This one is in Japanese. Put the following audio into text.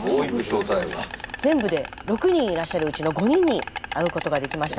全部で６人いらっしゃるうちの５人に会うことができました。